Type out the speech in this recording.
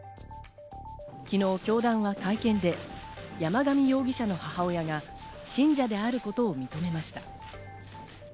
昨日、教団は会見で、山上容疑者の母親が信者であることを認めました。